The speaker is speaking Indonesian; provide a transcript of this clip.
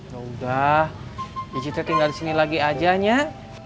yaudah ije tinggal disini lagi aja nyang